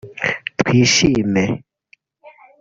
twishime